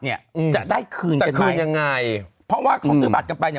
เนี้ยอืมจะได้คืนจะคืนยังไงเพราะว่าเขาซื้อบัตรกันไปเนี่ย